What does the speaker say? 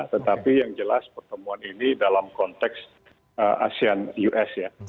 tetapi yang jelas pertemuan ini dalam konteks asean us ya